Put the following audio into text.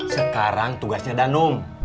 sekarang tugasnya danung